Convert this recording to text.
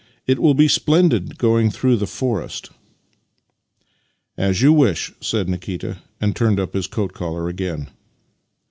It will be splendid going through the forest." " As you wish," said Nikita, and turned up his coat collar again.